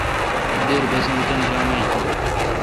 دیر بسن تان درام ایچ با۔